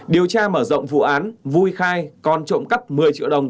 điều tra mở rộng vụ án vui khai còn trộm cắp một mươi triệu đồng